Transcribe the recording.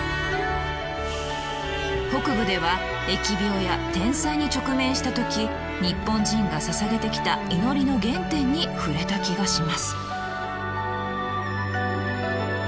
北部では疫病や天災に直面した時日本人がささげてきた祈りの原点に触れた気がします。